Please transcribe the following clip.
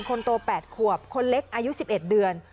คนโต๘ขวบคนเล็กอายุ๑๑เดือน